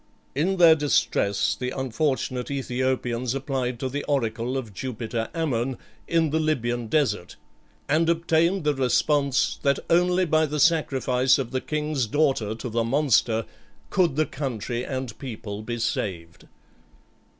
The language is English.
In their distress the unfortunate Æthiopians applied to the oracle of Jupiter Ammon, in the Libyan desert, and obtained the response, that only by the sacrifice of the king's daughter to the monster could the country and people be saved.